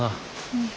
うん。